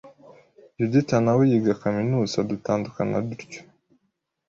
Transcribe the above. Yudita nawe yiga Kaminuza, dutandukana dutyo